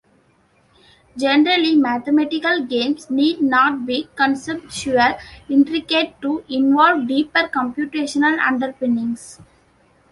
Generally, mathematical games need not be conceptually intricate to involve deeper computational underpinnings.